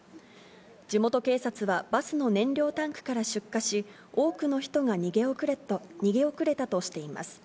地元警察はバスの燃料タンクから出火し、多くの人が逃げ遅れたとしています。